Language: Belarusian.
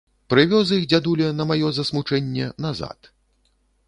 Прывёз іх дзядуля, на маё засмучэнне, назад.